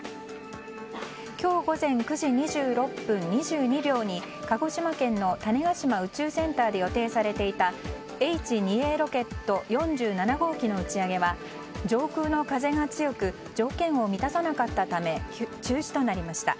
今日午前９時２６分２２秒に鹿児島県の種子島宇宙センターで予定されていたＨ２Ａロケット４７号機の打ち上げは、上空の風が強く条件を満たさなかったため中止となりました。